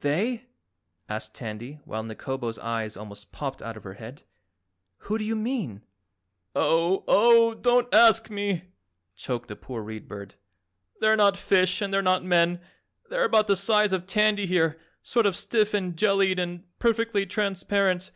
"They?" asked Tandy while Nikobo's eyes almost popped out of her head, "Who do you mean?" "Oh, oh, don't ASK me!" choked the poor Read Bird. "They're not fish and they're not men. They're about the size of Tandy, here, sort of stiff and jellied and perfectly transparent.